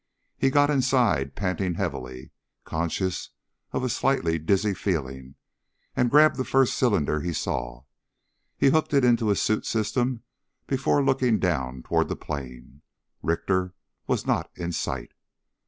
He got inside panting heavily, conscious of a slightly dizzy feeling, and grabbed the first cylinder he saw. He hooked it into his suit system before looking down toward the plain. Richter was not in sight.